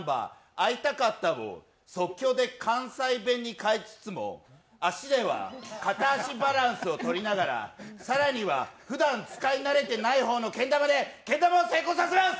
「会いたかった」を即興で関西弁に変えつつも足では片足バランスをとりながら更にはふだん使い慣れていない方のけん玉でけん玉を成功させます！